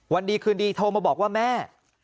วันดีคืนดีโทรมาบอกว่าแม่